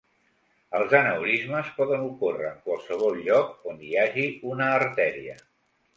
Els aneurismes poden ocórrer en qualsevol lloc on hi hagi una artèria.